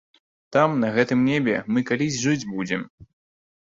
Там, на гэтым небе, мы калісь жыць будзем.